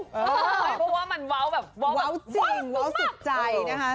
เพราะว่ามันเว้าแบบว้าวจริงเว้าสุดใจนะคะ